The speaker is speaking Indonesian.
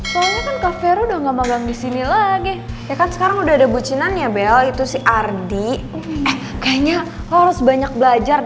sampai jumpa di video selanjutnya